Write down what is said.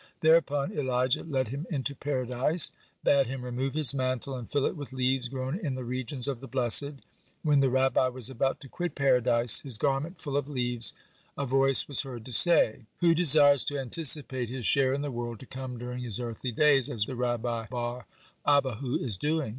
Thereupon Elijah led him into Paradise, bade him remove his mantle, and fill it with leaves grown in the regions of the blessed. When the Rabbi was about to quit Paradise, his garment full of leaves, a voice was heard to say: "Who desires to anticipate his share in the world to come during his earthly days, as Rabba bar Abbahu is doing?"